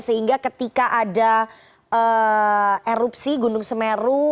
sehingga ketika ada erupsi gunung semeru